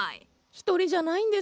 一人じゃないんです。